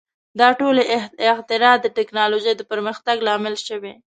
• دا ټولې اختراع د ټیکنالوژۍ د پرمختګ لامل شوې.